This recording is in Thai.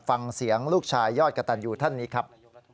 ฟังเสียงลูกชายยอดกระตันยูท่านนี้ครับ